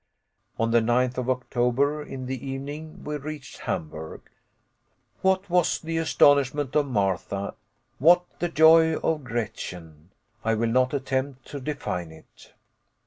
On the 9th of October, in the evening, we reached Hamburg. What was the astonishment of Martha, what the joy of Gretchen! I will not attempt to define it.